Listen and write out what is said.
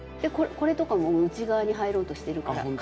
これとかももう内側に入ろうとしてるから。